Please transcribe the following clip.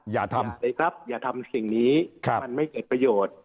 อย่าทำเลยครับอย่าทำสิ่งนี้มันไม่เกิดประโยชน์